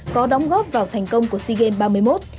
có đóng góp vào thành công của sea games ba mươi một